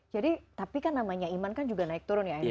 jadi tapi kan namanya iman kan juga naik turun ya